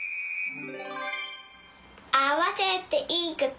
あわせていくつ？